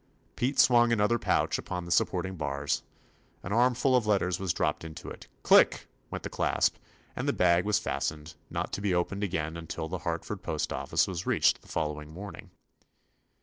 Pete swung another pouch upon the supporting bars, an armful of let ters was dropped into it, click I went the clasp, and the bag was fastened, not to be opened again until the Hart ford postoffice was reached the follow ing morning.